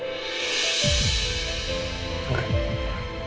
sebentar ya bu